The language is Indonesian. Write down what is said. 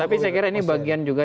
tapi saya kira ini bagian juga